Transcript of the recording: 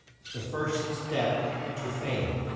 THE FIRST STEP TO FAME.